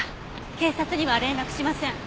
警察には連絡しません。